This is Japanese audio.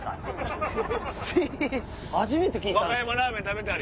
初めて聞いた。